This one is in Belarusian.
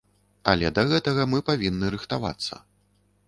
Але да гэтага мы павінны рыхтавацца.